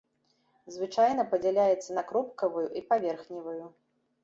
Звычайна падзяляецца на кропкавую і паверхневую.